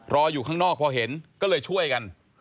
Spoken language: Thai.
อยู่ข้างนอกพอเห็นก็เลยช่วยกัน